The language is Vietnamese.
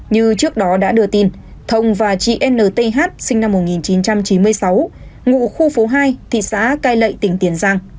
như trước đó đã đưa tin thông và chị nth sinh năm một nghìn chín trăm chín mươi sáu ngụ khu phố hai thị xã cai lậy tỉnh tiền giang